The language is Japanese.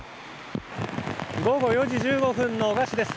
午後４時１５分の男鹿市です。